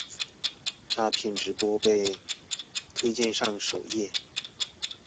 詐騙直播被推薦上首頁